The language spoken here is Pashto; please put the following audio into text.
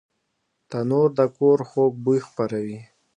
تنور د کور خوږ بوی خپروي